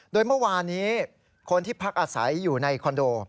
โดยเมื่อวานี้คนที่พักอาศัยอยู่ในคอนโด